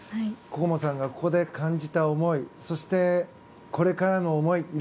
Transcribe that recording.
心椛さんがここで感じた思いそして、これからの思い